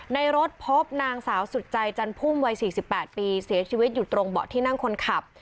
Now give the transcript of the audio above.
ในรถพบนางสาวสุดใจจันพุ่มวัย๔๘ปีเสียชีวิตอยู่ตรงเบาะที่นั่งคนขับ